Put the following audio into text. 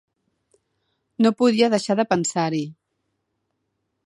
No podia deixar de pensar-hi.